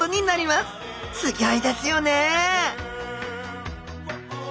すギョいですよね